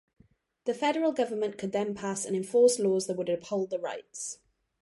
The federal government could then pass and enforce laws that would uphold the rights.